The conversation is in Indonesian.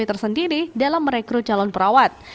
tersebut adalah merekrut calon perawat